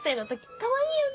かわいいよね！